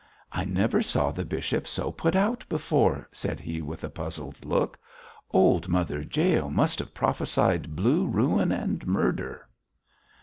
'I never saw the bishop so put out before,' said he with a puzzled look. 'Old Mother Jael must have prophesied blue ruin and murder.'